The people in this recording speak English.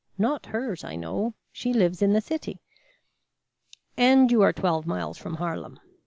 Not hers, I know. She lives in the city." "And you are twelve miles from Harlem.